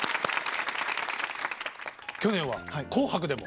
去年は「紅白」でも。